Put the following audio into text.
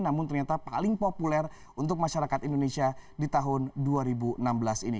namun ternyata paling populer untuk masyarakat indonesia di tahun dua ribu enam belas ini